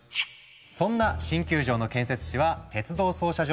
そんな新球場の建設地は鉄道操車場の跡地。